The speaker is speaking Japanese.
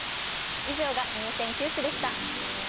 以上が入選九首でした。